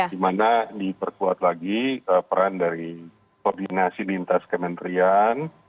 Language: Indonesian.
di mana diperkuat lagi peran dari koordinasi lintas kementerian